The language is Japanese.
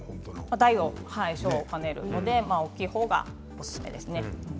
大は小を兼ねるので大きいほうがおすすめですね。